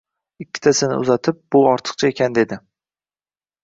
ikkitasini uzatib: Bu ortiqcha ekan – dedi.